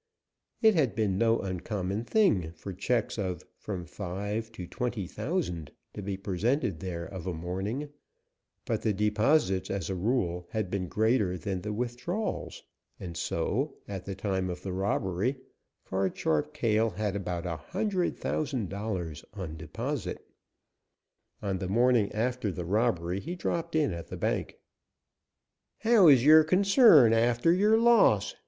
It had been no uncommon thing for checks of from five to twenty thousand to be presented there of a morning, but the deposits, as a rule, had been greater than the withdrawals, and so, at the time of the robbery, Card Sharp Cale had about a hundred thousand dollars on deposit. On the morning after the robbery he dropped in at the bank. "How is your concern after your loss?"